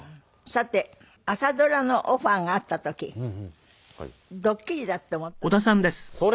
さて朝ドラのオファーがあった時ドッキリだって思ったんですって？